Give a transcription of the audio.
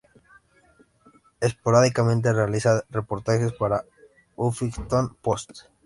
Esporádicamente realiza reportajes para Huffington Post.